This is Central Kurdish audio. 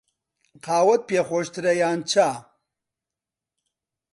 قاوەت پێ خۆشترە یان چا؟